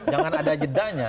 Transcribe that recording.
jangan ada jedanya